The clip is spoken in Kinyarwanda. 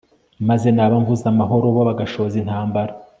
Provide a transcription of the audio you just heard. maze naba mvuze amahoro, bo bagashoza intambara